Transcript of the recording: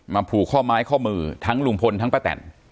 ผูกข้อไม้ข้อมือทั้งลุงพลทั้งป้าแตน